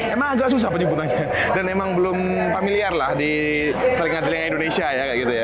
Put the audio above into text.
emang agak susah penipuannya dan emang belum familiar lah di telinga telinga indonesia ya kayak gitu ya